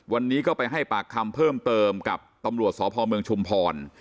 วันนี้ก็ไปให้ปากคำเพิ่มเติมกับตำรวจสพเมืองชุมพร